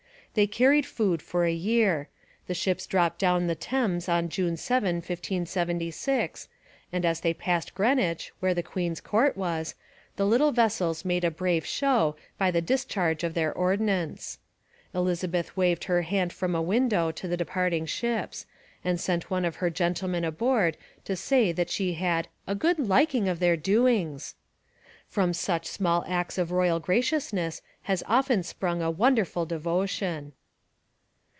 They carried food for a year. The ships dropped down the Thames on June 7, 1576, and as they passed Greenwich, where the queen's court was, the little vessels made a brave show by the discharge of their ordnance. Elizabeth waved her hand from a window to the departing ships and sent one of her gentlemen aboard to say that she had 'a good liking of their doings.' From such small acts of royal graciousness has often sprung a wonderful devotion.